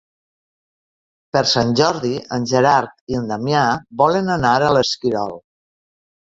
Per Sant Jordi en Gerard i en Damià volen anar a l'Esquirol.